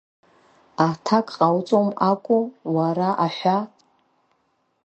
Аҭак ҟоуҵом акәу, уара аҳәа?